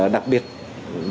đặc biệt là vấn đề gọi là